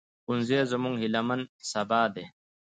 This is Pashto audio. ښوونځی زموږ هيلهمن سبا دی